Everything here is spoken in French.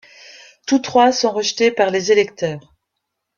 Tout trois sont rejeté par les électeurs.